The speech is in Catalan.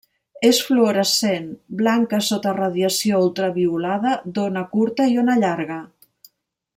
És fluorescent, blanca sota radiació ultraviolada d'ona curta i ona llarga.